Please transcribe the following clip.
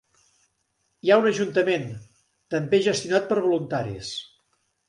Hi ha un ajuntament, també gestionat per voluntaris.